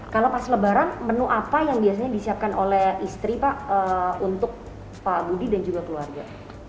kalau pas lebaran menu apa yang biasanya disiapkan oleh istri pak untuk pak budi dan juga keluarga